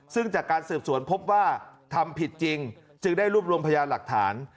ซึ่งจากการสืบสวนพบว่าทำผิดจริงจึงได้รวบรวมพยานหลักฐาน